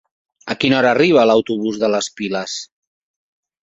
A quina hora arriba l'autobús de les Piles?